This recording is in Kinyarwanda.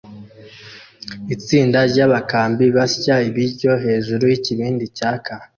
Itsinda ryabakambi basya ibiryo hejuru yikibindi cyaka